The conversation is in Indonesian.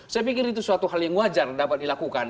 saya pikir itu suatu hal yang wajar dapat dilakukan